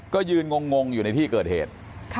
ก็ยืนงงอยู่ในที่เกิดเหตุ